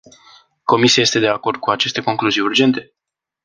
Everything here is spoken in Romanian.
Comisia este de acord cu aceste concluzii urgente?